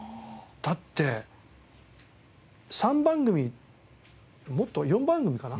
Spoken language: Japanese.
だって３番組もっと４番組かな？